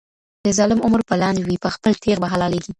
د ظالم عمر به لنډ وي په خپل تېغ به حلالیږي